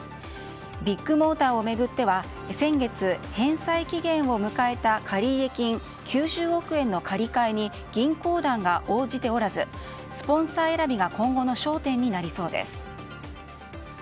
ビッグモーターを巡っては先月、返済期限を迎えた借入金９０億円の借り換えに銀行団が応じておらずスポンサー選びが今後の焦点になりそうです。